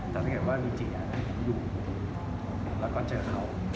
แต่ถ้าบีจิอยากให้ป๊าอยู่ก่อนเจอเขา